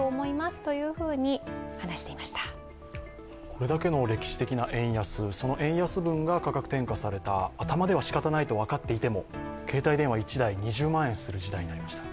これだけの歴史的な円安、その円安分が価格転嫁された、頭ではしかたないと分かっていても携帯電話１台２０万円する時代になりました。